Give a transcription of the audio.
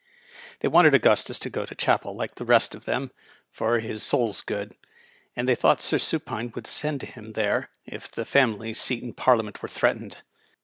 They wanted Augustus to go to chapel, like the rest of them, for his soul's good ; and they thought Sir Supine would send him there if the family seat in Parliament were threatened.